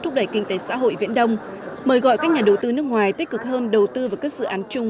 thúc đẩy kinh tế xã hội viễn đông mời gọi các nhà đầu tư nước ngoài tích cực hơn đầu tư vào các dự án chung